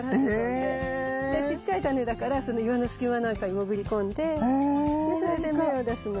でちっちゃい種だからその岩の隙間なんかに潜り込んでそれで芽を出すの。